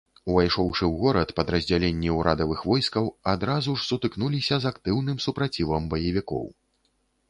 Увайшоўшы ў горад, падраздзяленні ўрадавых войскаў адразу ж сутыкнуліся з актыўным супрацівам баевікоў.